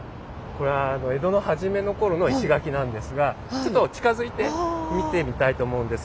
これは江戸の初めの頃の石垣なんですがちょっと近づいて見てみたいと思うんですが。